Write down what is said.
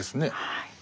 はい。